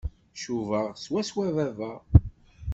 Cubaɣ swaswa baba.